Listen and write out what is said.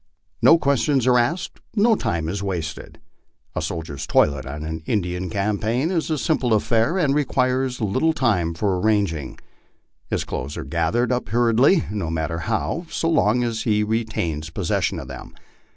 No questions are asked, no time is wasted. A soldier's toilet, on an Indian campaign, is a sim ple affair, and requires little time for arranging. His clothes are gathered up hurriedly, no matter how, so long as he retains possession of them.